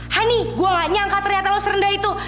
hani gue gak nyangka ternyata lo serendah itu